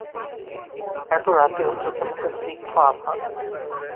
এত রাতেও চোখে-মুখে স্নিগ্ধ আভা।